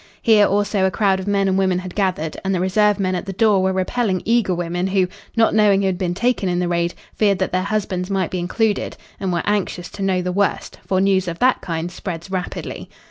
Here also a crowd of men and women had gathered, and the reserve men at the door were repelling eager women who, not knowing who had been taken in the raid, feared that their husbands might be included and were anxious to know the worst; for news of that kind spreads rapidly.